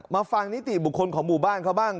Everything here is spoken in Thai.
ฟังนิติบุคคลของหมู่บ้านเขาบ้าง